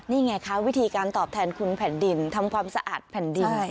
นี่ไงคะวิธีการตอบแทนคุณแผ่นดินทำความสะอาดแผ่นดิน